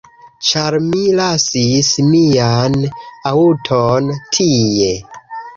Ĉar mi lasis mian aŭton tie